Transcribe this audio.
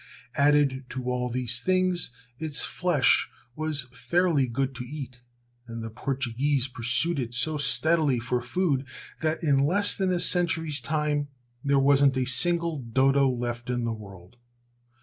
Added to all these things its flesh was fairly good to eat, and the Portuguese pursued it so steadily for food that in less than a century's time there wasn't a single dodo left in the world.